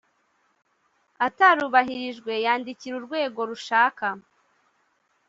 atarubahirijwe yandikira urwego rushaka